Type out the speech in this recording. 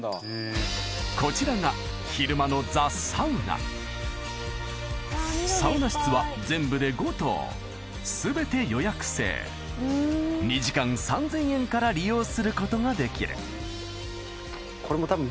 こちらが昼間のＴｈｅＳａｕｎａサウナ室は全部で５棟すべて予約制２時間３０００円から利用することができる